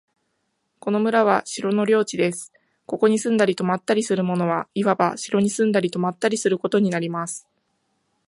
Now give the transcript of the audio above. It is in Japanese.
この村は城の領地です。ここに住んだり泊ったりする者は、いわば城に住んだり泊ったりすることになります。